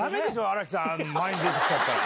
荒木さん前に出てきちゃったら。